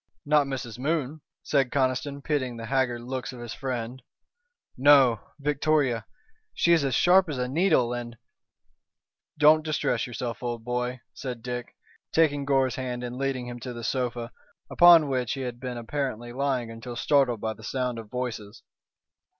"Not Mrs. Moon," said Conniston, pitying the haggard looks of his friend. "No, Victoria. She is as sharp as a needle and " "Don't distress yourself, old boy," said Dick, taking Gore's hand and leading him to the sofa upon which he had been apparently lying until startled by the sound of voices.